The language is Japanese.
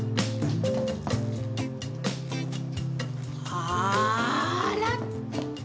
あら！